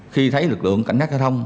khi thấy lực lượng cảnh sát giao thông